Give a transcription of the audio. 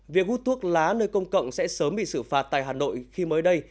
việc hút thuốc lá nơi công cộng sẽ sớm bị xử phạt tại hà nội khi mới đây